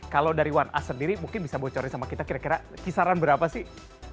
kalau dari one a sendiri mungkin bisa bocorin sama kita kira kira kisaran berapa sih